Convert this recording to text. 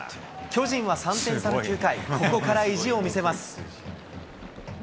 巨人は３点差の９回、ここから意地を見せます。